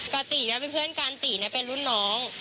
กะตีนี่เป็นเพื่อนกันตีนี่เป็นรุ่นน้อง